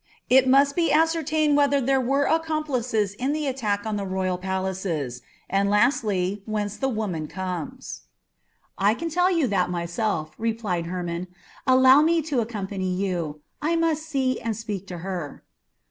It must be ascertained whether there were accomplices in the attack on the royal palaces, and lastly whence the woman comes." "I can tell you that myself," replied Hermon. "Allow me to accompany you. I must see and speak to her."